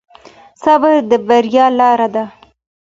صبر د بريا لاره ده.